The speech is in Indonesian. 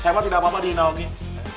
saya mah tidak apa apa di indah oki